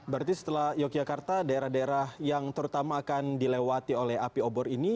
berarti setelah yogyakarta daerah daerah yang terutama akan dilewati oleh api obor ini